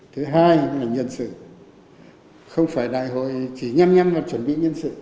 thứ hai là nhân sự không phải đại hội chỉ nhăm nhăm là chuẩn bị nhân sự